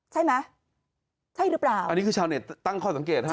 ใช่ไหมใช่หรือเปล่าอันนี้คือชาวเน็ตตั้งข้อสังเกตฮะ